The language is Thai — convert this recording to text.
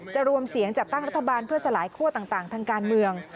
รวมเสียงจัดตั้งรัฐบาลเพื่อสลายคั่วต่างทางการเมือง